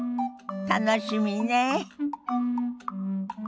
楽しみねえ。